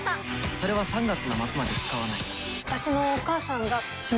それは３月の末まで使わない。